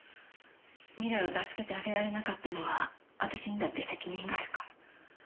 未来を助けてあげられなかったのは私にだって責任があるから。